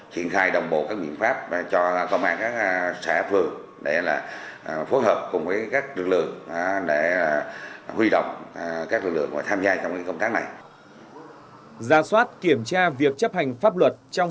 triển khai đồng bộ các biện pháp cho công an các xã phường